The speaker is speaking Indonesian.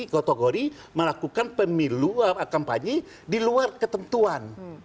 kategori melakukan pemilu kampanye di luar ketentuan